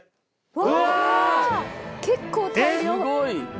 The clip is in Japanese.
うわ！